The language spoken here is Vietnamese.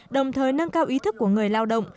đồng thời nâng cao ý thức của người lao động